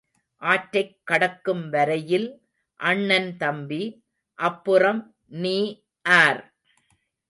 ஆற்றைக் கடக்கும்வரையில் அண்ணன் தம்பி அப்புறம் நீ ஆர்?